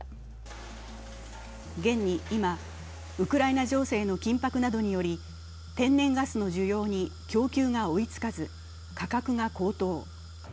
現に今、ウクライナ情勢の緊迫などにより、天然ガスの需要に供給が追いつかず、価格が高騰。